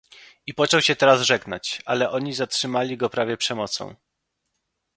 "I począł się teraz żegnać, ale oni zatrzymali go prawie przemocą."